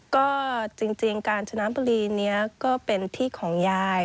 ก็จริงการชนะบุรีนี้ก็เป็นที่ของยาย